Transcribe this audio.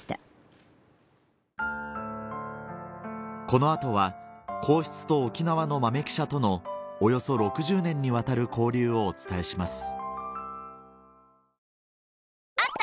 この後は皇室と沖縄の豆記者とのおよそ６０年にわたる交流をお伝えします